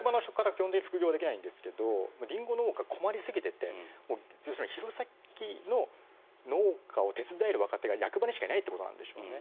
基本的に副業できないんですがリンゴ農家、困りすぎてて弘前の農家を手伝える若手が役場にしかいないということなんでしょうね。